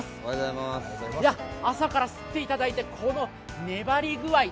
朝からすっていただいてこの粘り具合